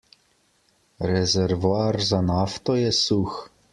Rezervoar za nafto je suh.